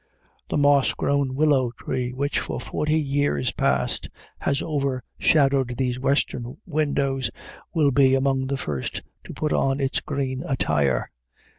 The moss grown willow tree which for forty years past has overshadowed these western windows will be among the first to put on its green attire.